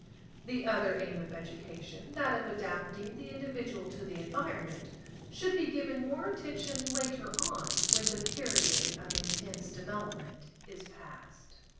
The other aim of education (that of adapting the individual to the environment) should be given more attention later on when the period of intense development is past.